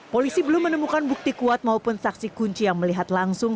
polisi belum menemukan bukti kuat maupun saksi kunci yang melihat langsung